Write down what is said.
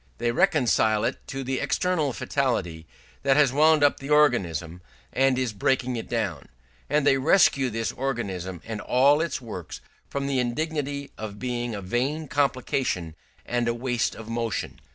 They reconcile it to the external fatality that has wound up the organism, and is breaking it down; and they rescue this organism and all its works from the indignity of being a vain complication and a waste of motion.